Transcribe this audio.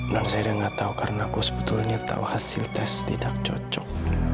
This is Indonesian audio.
non saya udah gak tau karena aku sebetulnya tau hasil tes tidak cocok